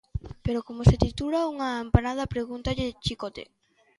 Pero como se tritura unha empanada?, pregúntalle Chicote.